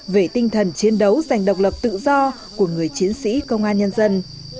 về tinh thần chiến đấu giành độc lập tự do của người chiến sĩ công an nhân dân